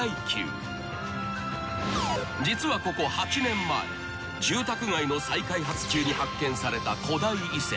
［実はここ８年前住宅街の再開発中に発見された古代遺跡］